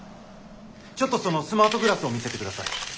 ちょっとそのスマートグラスを見せてください。